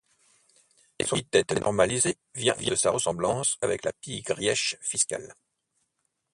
Son épithète normalisé vient de sa ressemblance avec la pie-grièche fiscale.